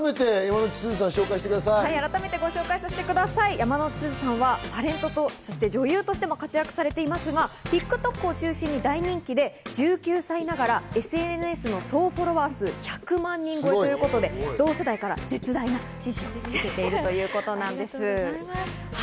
改めて山之内すずさんをご紹タレントとしても女優としても活躍されていますが、ＴｉｋＴｏｋを中心に大人気で１９歳ながらＳＮＳの総フォロワー数１００万人超えということで、同世代から絶大な支持を受けているということなんです。